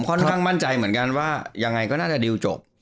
ข้างมั่นใจเหมือนกันว่ายังไงก็น่าจะดิวจบ